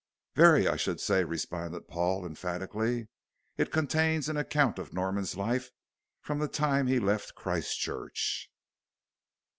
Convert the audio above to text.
"Very I should say," responded Paul, emphatically. "It contains an account of Norman's life from the time he left Christchurch."